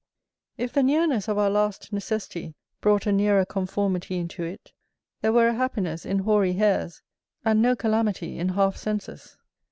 _ If the nearness of our last necessity brought a nearer conformity into it, there were a happiness in hoary hairs, and no calamity in half senses.